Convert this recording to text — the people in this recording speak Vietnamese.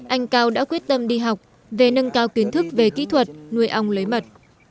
anh cao đã quyết tâm đi học về nâng cao kiến thức về kỹ thuật nuôi ong lấy mật